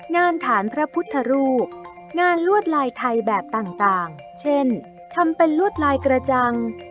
ฐานพระพุทธรูปงานลวดลายไทยแบบต่างเช่นทำเป็นลวดลายกระจัง